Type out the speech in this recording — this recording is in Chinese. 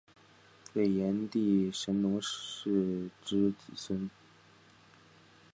为炎帝神农氏之子孙。